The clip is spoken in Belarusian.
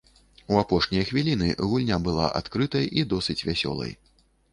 У апошнія хвіліны гульня была адкрытай і досыць вясёлай.